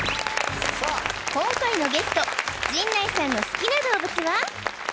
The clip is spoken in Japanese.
今回のゲスト陣内さんの好きな動物は？